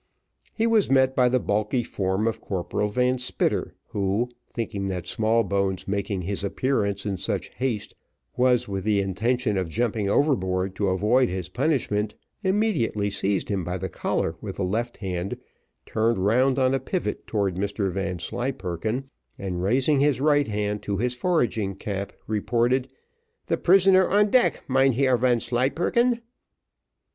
He was met by the bulky form of Corporal Van Spitter, who, thinking that Smallbones' making his appearance in such haste was with the intention of jumping overboard to avoid his punishment, immediately seized him by the collar with the left hand, turned round on a pivot towards Mr Vanslyperken, and raising his right hand to his foraging cap, reported, "The prisoner on deck, Mynheer Vanslyperken."